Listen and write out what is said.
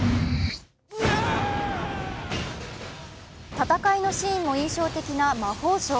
戦いのシーンも印象的な魔法省。